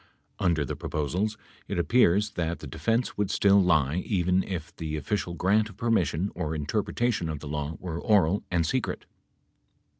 Under the proposals, it appeal's that the defense would still lie even if the official grant of permission or interpretation of the law were oral and secret.